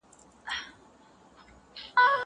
زه پرون مړۍ خورم!!